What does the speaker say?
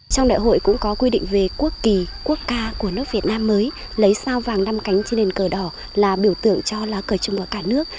trong đại hội cũng có quy định về quốc kỳ quốc ca của nước việt nam mới lấy sao vàng năm cánh trên đền cờ đỏ là biểu tượng cho lá cờ chung của cả nước